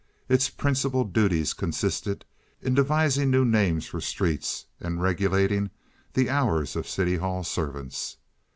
Its principal duties consisted in devising new names for streets and regulating the hours of city hall servants.